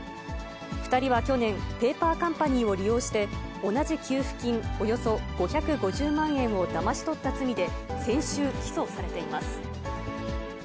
２人は去年、ペーパーカンパニーを利用して、同じ給付金およそ５５０万円をだまし取った罪で、先週、起訴されています。